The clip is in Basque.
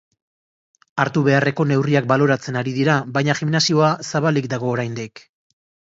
Hartu beharreko neurriak baloratzen ari dira, baina gimnasioa zabalik dago oraindik.